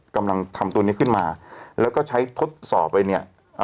กำลังทำตัวนี้ขึ้นมาแล้วก็ใช้ทดสอบไว้เนี่ย